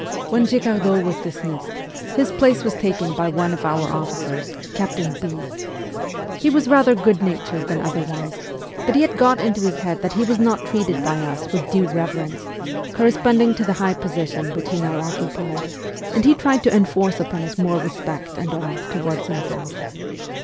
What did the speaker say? When Girardot was dismissed, his place was taken by one of our officers, Captain B . He was rather good natured than otherwise, but he had got into his head that he was not treated by us with due reverence, corresponding to the high position which he now occupied, and he tried to enforce upon us more respect and awe toward himself.